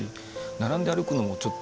並んで歩くのもちょっと。